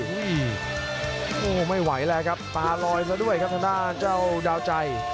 โอ้โหไม่ไหวแล้วครับตาลอยซะด้วยครับทางด้านเจ้าดาวใจ